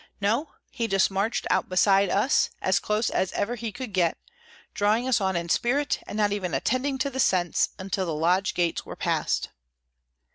No, he just marched out beside us, as close as ever he could get, drawing us on in spirit, and not even attending to the scents, until the lodge gates were passed.